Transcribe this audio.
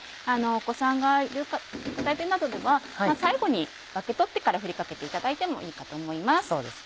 お子さんがいるご家庭などでは最後に分け取ってから振りかけていただいてもいいかと思います。